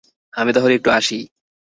আমি তাহলে একটু আসি।